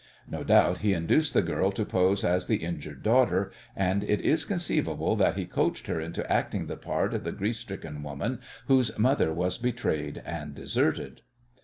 No doubt he induced the girl to pose as the injured daughter, and it is conceivable that he coached her into acting the part of the grief stricken woman whose mother was betrayed and deserted.